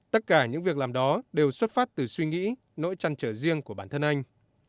tất cả những việc làm đó đều xuất phát từ suy nghĩ nỗi trăn trở riêng của bản thân anh